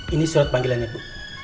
ini surat panggilan ibu